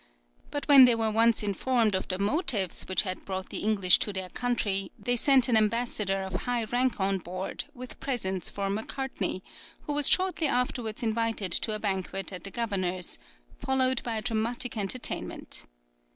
But when they were once informed of the motives which had brought the English to their country, they sent an ambassador of high rank on board with presents for Macartney, who was shortly afterwards invited to a banquet at the governor's, followed by a dramatic entertainment.